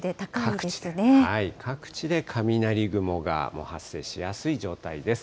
各地で雷雲が発生しやすい状態です。